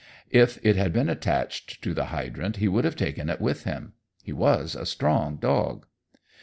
If it had been attached to the hydrant, he would have taken it with him. He was a strong dog.